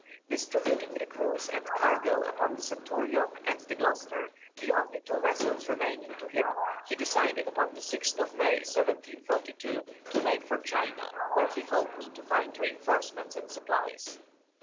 Distributing the crews and cargo upon the Centurion and the Gloucester, the only two vessels remaining to him, he decided upon the 6th of May, 1742, to make for China, where he hoped to find reinforcements and supplies.